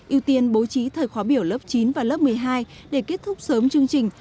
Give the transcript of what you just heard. ưu tiên bố trí thời khóa biểu lớp chín và lớp một mươi hai để kết thúc sớm chương trình